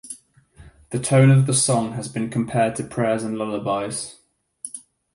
The tone of the song has been compared to prayers and lullabies.